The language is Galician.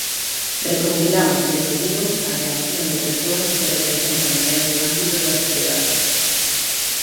Recompilamos, deseguido, a reacción de persoas que representan diferentes ámbitos da sociedade.